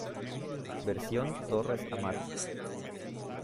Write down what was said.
Versión Torres Amat.